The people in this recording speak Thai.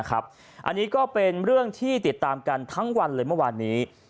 อันนี้ก็เป็นเรื่องที่ติดตามกันทั้งวันเลยเมื่อวานนี้